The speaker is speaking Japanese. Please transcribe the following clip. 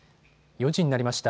４時になりました。